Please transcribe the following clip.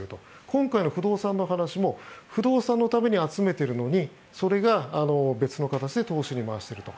今回の不動産の話も不動産のために集めているのにそれが別の形で投資に回していると。